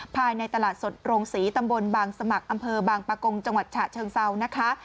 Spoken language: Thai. ภายในตลาดสดโรงศรีตำบลบางสมัครอำเภอบางปะกงจังหวัดฉะเชิงเซานะคะ